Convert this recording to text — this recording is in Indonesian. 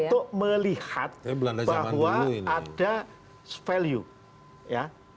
untuk melihat bahwa ada value ya